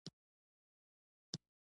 سپۍ ته یې لېرې ډوډۍ ور واچوله.